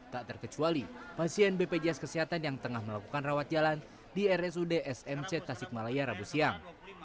tak terkecuali pasien bpjs kesehatan yang tengah melakukan rawat jalan di rsud smc tasikmalaya rabu siang